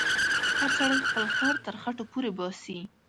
هر سړی خپل خر تر خټو پورې باسې.